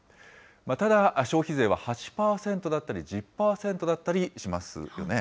ただ、消費税は８％だったり１０％だったりしますよね。